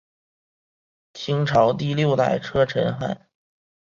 清朝第六代车臣汗。